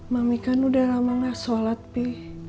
mami kan udah lama nggak sholat pi